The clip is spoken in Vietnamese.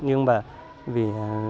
nhưng mà vì